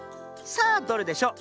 さあどれでしょう。